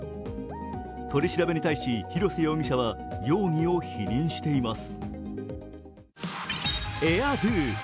取り調べに対し広瀬容疑者は容疑を否認しています。